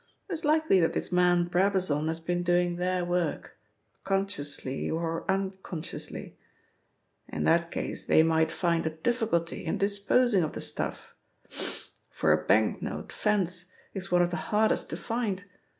It is likely that this man Brabazon has been doing their work, consciously or unconsciously. In that case they might find a difficulty in disposing of the stuff, for a banknote 'fence' is one of the hardest to find.